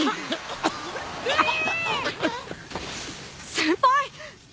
先輩！？